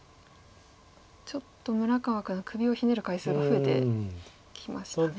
ちょっと村川九段首をひねる回数が増えてきましたね。